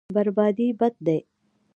بربادي بد دی.